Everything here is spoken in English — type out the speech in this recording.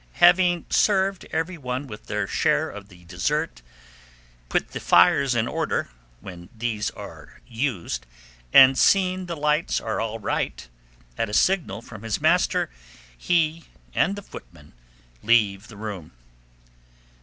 Having served every one with their share of the dessert, put the fires in order (when these are used), and seen the lights are all right, at a signal from his master, he and the footman leave the room.